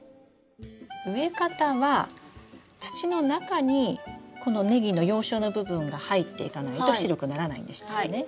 植え方は土の中にこのネギの葉鞘の部分が入っていかないと白くならないんでしたよね？